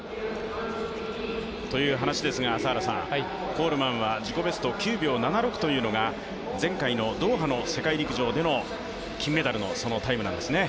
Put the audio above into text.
コールマンは自己ベスト９秒７６というのが前回のドーハの世界陸上での金メダルでのタイムなんですね。